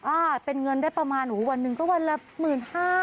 อ่าเป็นเงินได้ประมาณหนูวันหนึ่งก็วันละหมื่นห้า